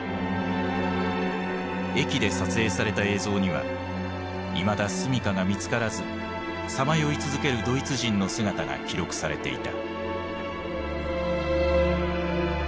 駅で撮影された映像にはいまだ住みかが見つからずさまよい続けるドイツ人の姿が記録されていた。